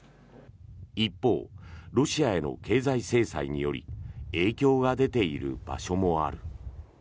一方、ロシアへの経済制裁により影響が出ている場所もある。